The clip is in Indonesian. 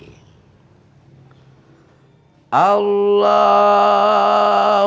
ini bisa kesialan